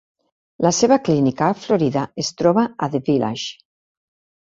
La seva clínica a Florida es troba a The Villages.